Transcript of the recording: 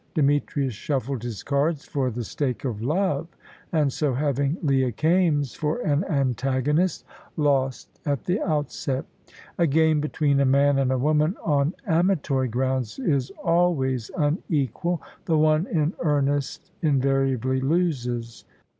Demetrius shuffled his cards for the stake of love, and so, having Leah Kaimes for an antagonist, lost at the outset. A game between a man and a woman, on amatory grounds, is always unequal. The one in earnest invariably loses.